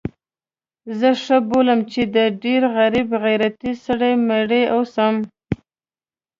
زه ښه بولم چې د ډېر غریب غیرتي سړي مریی اوسم.